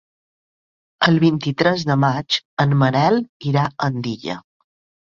El vint-i-tres de maig en Manel irà a Andilla.